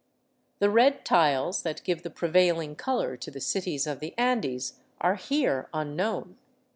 The red tiles that give the prevailing color to the cities of the Andes are here unknown.